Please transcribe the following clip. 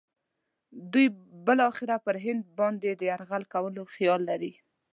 دوی بالاخره پر هند باندې د یرغل کولو خیال لري.